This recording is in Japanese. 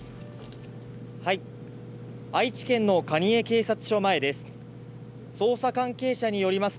愛知県の蟹江警察署前です。